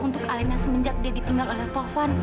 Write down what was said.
untuk alina semenjak dia ditinggal oleh tovan